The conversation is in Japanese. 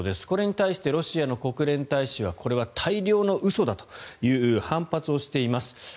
これに対してロシアの国連大使はこれは大量の嘘だという反発をしています。